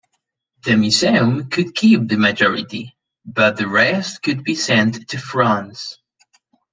The museum could keep the majority, but the rest could be sent to France.